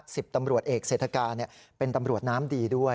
สิบตำรวจเอกเศรษฐกาเป็นตำรวจน้ำดีด้วย